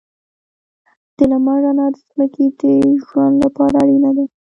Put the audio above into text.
د لمر رڼا د ځمکې د ژوند لپاره اړینه ده.